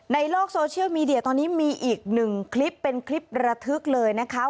ในโลกโซเชียลมีเดียตอนนี้มีอีกหนึ่งคลิปเป็นคลิประทึกเลยนะคะ